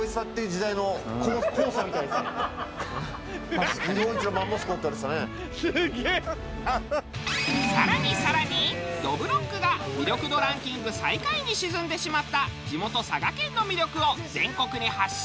昔更に更にどぶろっくが魅力度ランキング最下位に沈んでしまった地元佐賀県の魅力を全国に発信！